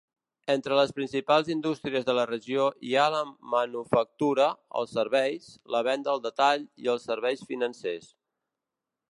Entre les principals indústries de la regió hi ha la manufactura, els serveis, la venda al detall i els serveis financers.